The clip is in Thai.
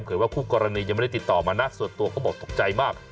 ว่าคู่กรณียังไม่ได้ติดต่อมานะส่วนตัวเขาบอกตกใจมาก